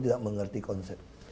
tidak mengerti konsep